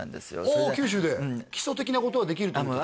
それで基礎的なことはできるってこと？